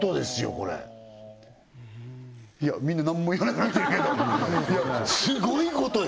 これいやみんな何も言わなくなってるけどいやすごいことよ！